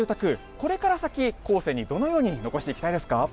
これから先、後世にどのように残していきたいですか？